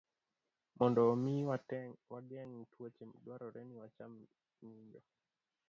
Mondo omi wageng' tuoche, dwarore ni wacham ng'injo